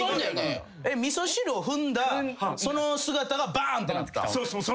味噌汁を踏んだその姿がバン！ってなったん？